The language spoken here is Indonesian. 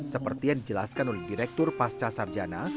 seperti yang dijelaskan oleh direktur pasca sarjana